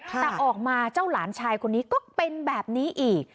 แต่ออกมาเจ้าหลานชายคนนี้ก็เป็นแบบนี้อีก